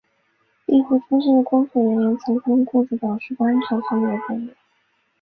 庇护中心的工作人员曾向雇主表示过安全方面的担忧。